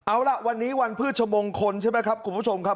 เอาล่ะวันนี้วันพืชมงคลใช่ไหมครับคุณผู้ชมครับ